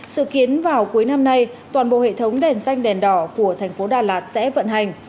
sự kiến vào cuối năm nay toàn bộ hệ thống đèn xanh đèn đỏ của thành phố đà lạt sẽ vận hành